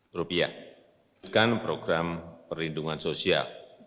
terlebih dahulu program perlindungan sosial